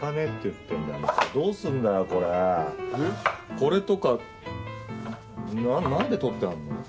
これとかなんで取ってあるの？